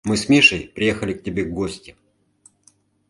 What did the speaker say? «Мы с Мишей приехали к тебе в гости.